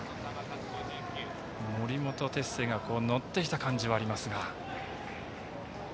森本哲星が乗ってきた感じはありますが。